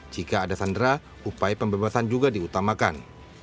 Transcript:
jika ada sandera upaya pembebasan juga diutamakan